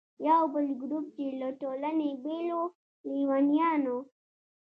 یو بل ګروپ چې له ټولنې بېل و، لیونیان وو.